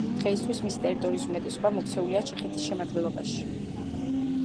დღეისთვის მისი ტერიტორიის უმეტესობა მოქცეულია ჩეხეთის შემადგენლობაში.